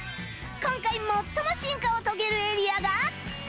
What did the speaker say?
今回最も進化を遂げるエリアが